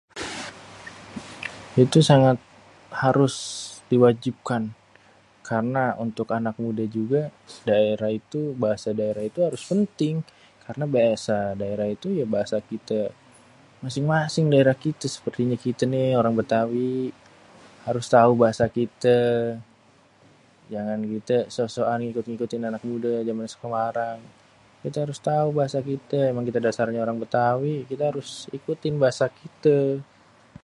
Itu sangat harus diwajibkan. Karna untuk anak muda juga daerah itu, bahasa daerah itu harus penting. Karna bahasa daerah itu bahasa kite masing-masing daerah kite sepertinya kite nih orang Bétawi harus tau bahasa kite. Jangan kite sok-sokan ngikut-ngikutin anak mude jaman sekarang. Kita harus tau bahasa kite. Emang kita dasarnya orang Bétawi. Kita harus tau bahasa kite.